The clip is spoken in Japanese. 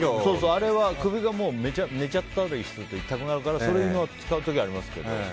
あれは首が寝ちゃったりすると痛くなるから、使う時あるけど。